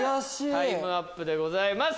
タイムアップでございます。